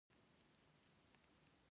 پښتو ژبه اوس د پرمختګ پر لور روانه ده